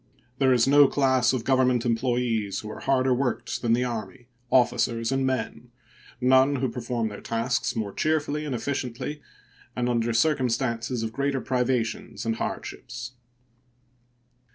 There is no class of Government employees who are harder worked than the Army officers and men; none who perform their tasks more cheerfully and efficiently and under circumstances of greater privations and hardships.